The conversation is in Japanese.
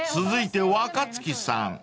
［続いて若槻さん］